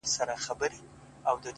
خدای په ژړا دی خدای پرېشان دی